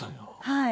はい。